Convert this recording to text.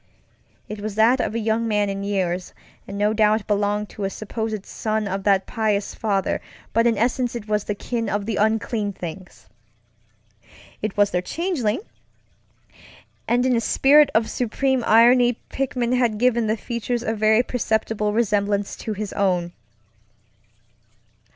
It was that of a young man in years, and no doubt belonged to a supposed son of that pious father, but in essence it was the kin of the unclean things. It was their changelingŌĆöand in a spirit of supreme irony Pickman had given the features a very perceptible resemblance to his own.